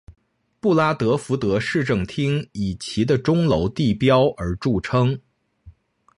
布拉德福德市政厅以其的钟楼地标而着称。